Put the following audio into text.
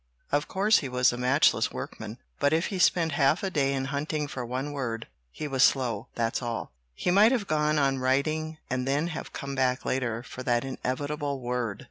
Of course he was a matchless workman. But if he spent half a day in hunting for one word, he was slow, that's all. He might have gone on writing and then have come back later for that inevitable word."